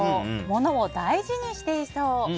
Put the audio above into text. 物を大事にしていそう。